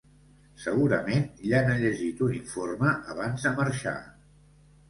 Segurament ja n'ha llegit un informe abans de marxar.